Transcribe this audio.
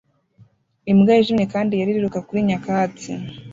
Imbwa yijimye kandi yera iriruka kuri nyakatsi